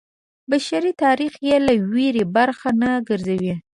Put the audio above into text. بشري تاریخ یې له ویرې برخه نه ګرځوي.